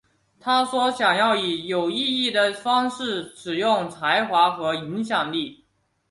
她说想要以有意义的方式使用才华和影响力。